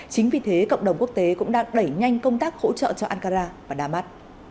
chính vì thế cộng đồng quốc tế cũng đang đẩy nhanh công tác hỗ trợ cho ankara và damas